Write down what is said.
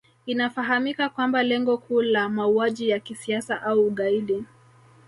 Inafahamika kwamba lengo kuu la mauaji ya kisiasa au ugaidi